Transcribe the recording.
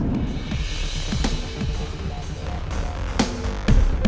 ma ada apa itu